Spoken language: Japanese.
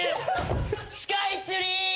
スカイツリー！